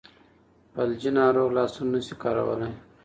فلجي ناروغ لاسونه نشي کارولی.